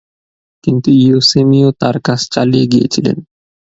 কিন্তু, ইয়োসেমিয় তার কাজ চালিয়ে গিয়েছিলেন।